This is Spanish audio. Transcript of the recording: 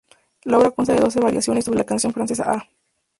La obra consta de doce variaciones sobre la canción francesa "Ah!